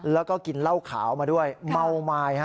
แล้วก็กินเหล้าขาวมาด้วยเมาไม้